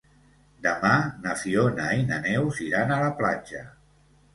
Demà na Fiona i na Neus iran a la platja.